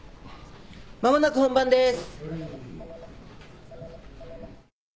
間もなく本番です！